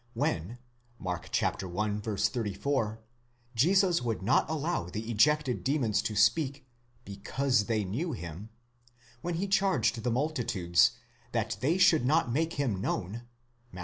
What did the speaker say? When (Mark i. 34) Jesus would not allow the ejected demons to speak because they knew him, when he charged the multitudes ¢hat they should not make him known (Matt.